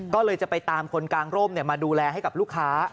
ก็เลยจะไปตามคนกางร่มมาดูแลให้กับลูกค้า